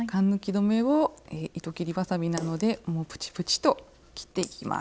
止めを糸切りばさみなどでプチプチと切っていきます。